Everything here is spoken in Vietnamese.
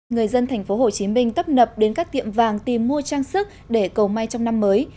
người dân tp hcm tấp nập đến các tiệm vàng tìm mua trang sức để cầu may trong năm mới